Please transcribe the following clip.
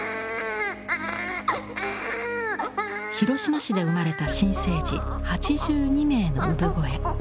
広島市で生まれた新生児８２名の産声。